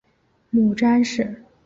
母詹氏。